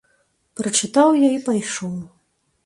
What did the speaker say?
Прачытаў я і пайшоў.